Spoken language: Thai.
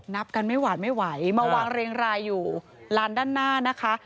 นับกันไม่หวานไม่ไหวมาวางเรียงรายอยู่ลานด้านหน้านะคะ